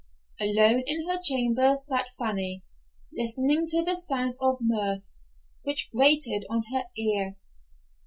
Alone in her chamber sat Fanny, listening to the sounds of mirth, which grated on her ear.